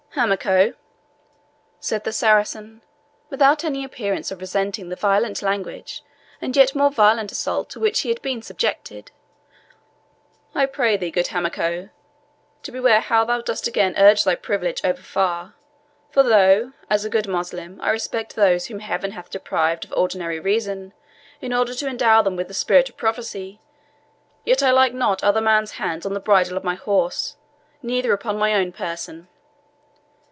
"Hamako," said the Saracen, without any appearance of resenting the violent language and yet more violent assault to which he had been subjected, "I pray thee, good Hamako, to beware how thou dost again urge thy privilege over far; for though, as a good Moslem, I respect those whom Heaven hath deprived of ordinary reason, in order to endow them with the spirit of prophecy, yet I like not other men's hands on the bridle of my horse, neither upon my own person.